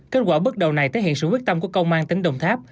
kết quả bước đầu này thể hiện sự quyết tâm của công an tỉnh đồng tháp